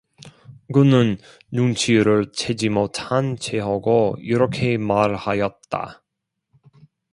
그는 눈치를 채지 못한 체하고 이렇게 말하였다.